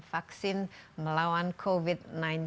vaksin melawan covid sembilan belas